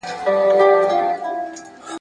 پردی پوځ دلته ماته خوري.